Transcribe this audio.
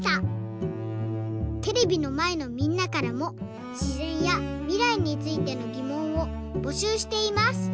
テレビのまえのみんなからもしぜんやみらいについてのぎもんをぼしゅうしています！